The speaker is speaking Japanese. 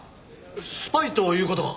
スパイという事か？